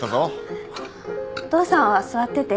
お父さんは座ってて。